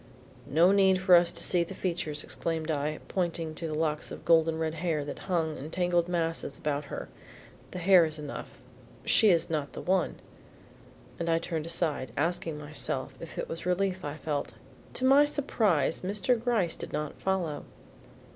"No need for us to see the features," exclaimed I, pointing to the locks of golden red hair that hung in tangled masses about her. "The hair is enough; she is not the one." And I turned aside, asking myself if it was relief I felt. To my surprise Mr. Gryce did not follow.